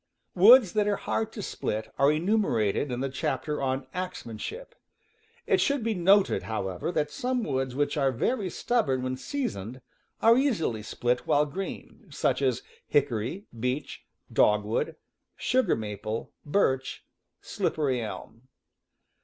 Woods that are hard to split are enumerated in the chapter on Axemanship. It should be noted, however, ,^,. that some woods which are very stub Stubborn 11 J 1 i j. ™., born when seasoned are easily split while green, such as hickory, beech, dogwood, sugar maple, birch, slippery elm.